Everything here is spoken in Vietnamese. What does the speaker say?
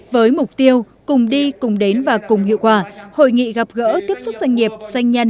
với mục tiêu cùng đi cùng đến và cùng hiệu quả hội nghị gặp gỡ tiếp xúc doanh nghiệp doanh nhân